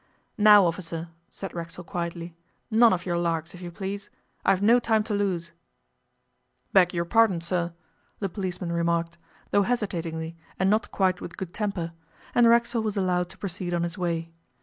'Now, officer,' said Racksole quietly, 'none of your larks, if you please. I've no time to lose.' 'Beg your pardon, sir,' the policeman remarked, though hesitatingly and not quite with good temper, and Racksole was allowed to proceed on his way.